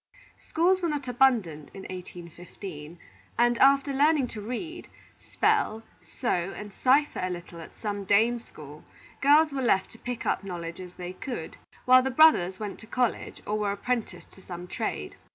Schools were not abundant in 1815; and, after learning to read, spell, sew, and cipher a little at some dame school, girls were left to pick up knowledge as they could; while the brothers went to college, or were apprenticed to some trade.